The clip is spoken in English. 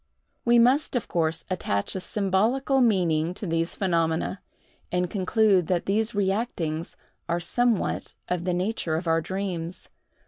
We must, of course, attach a symbolical meaning to these phenomena, and conclude that these reactings are somewhat of the nature of our dreams.